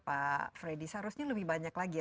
pak fredy seharusnya lebih banyak lagi